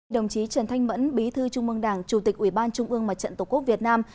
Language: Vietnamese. đồng chí trần thanh mẫn bí thư trung mương đảng chủ tịch ủy ban trung ương mặt trận tổ quốc việt nam